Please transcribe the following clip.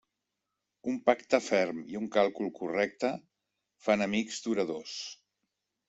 Un pacte ferm i un càlcul correcte fan amics duradors.